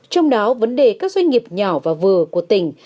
trong đó vấn đề các doanh nghiệp nhỏ và vừa của tỉnh